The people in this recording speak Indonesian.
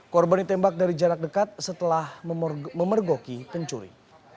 korban ditembak dari jarak dekat setelah memergoki pencuri